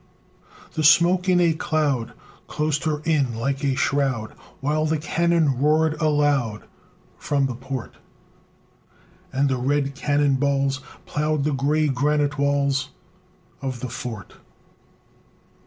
The smoke in a cloud Closed her in like a shroud, While the cannon roared aloud From the Port; And the red cannon balls Ploughed the gray granite walls Of the Fort.